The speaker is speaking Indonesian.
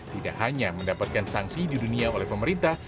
tidak hanya mendapatkan sanksi di dunia oleh pemerintah